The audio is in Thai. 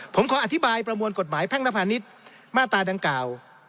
ผมขออธิบายประมวลกฎหมายแพ่งลภานิษฐ์มาตรา๑๙๖๙